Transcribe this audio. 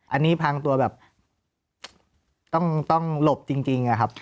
อันนี้พางตัวแบบต้องต้องหลบจริงครับ